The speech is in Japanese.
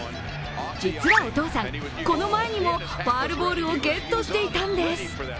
実はお父さん、この前にもファウルボールをゲットしていたんです。